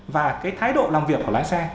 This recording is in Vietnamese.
và cái thái độ làm việc của lái xe